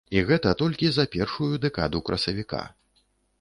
І гэта толькі за першую дэкаду красавіка.